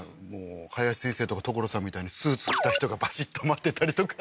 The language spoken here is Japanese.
林先生とか所さんみたいにスーツ着た人がバシッと待ってたりとか